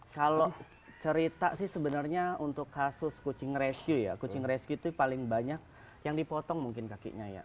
kalau cerita sih sebenarnya untuk kasus kucing rescue ya kucing rescue itu paling banyak yang dipotong mungkin kakinya ya